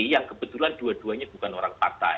yang kebetulan dua duanya bukan orang partai